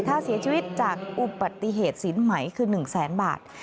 ถ้าเสียชีวิตจากอุบัติเหตุสินไหมคือ๑แสนบาท